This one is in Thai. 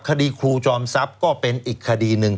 คดีครูจอมทรัพย์ก็เป็นอีกคดีหนึ่ง